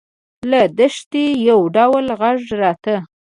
له دښتې د ډول غږ راته.